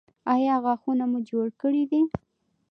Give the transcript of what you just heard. ایا غاښونه مو جوړ کړي دي؟